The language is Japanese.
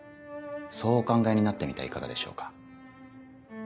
そうお考えになってみてはいかがでしょうか。